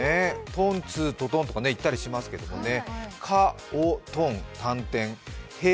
「トンツートトン」とか言ったりしますけどね。